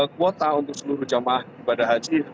kuota untuk seluruh jamaah ibadah haji